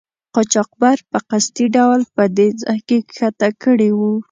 قاچاقبر په قصدي ډول په دې ځای کې ښکته کړي وو.